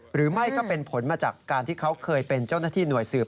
หรือไม่ก็เป็นผลมาจากการที่เขาเคยเป็นเจ้าหน้าที่หน่วยสืบ